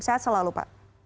sehat selalu pak